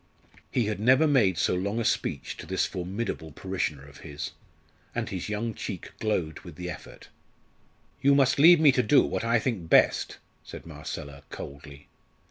He had never made so long a speech to this formidable parishioner of his, and his young cheek glowed with the effort. "You must leave me to do what I think best," said Marcella, coldly.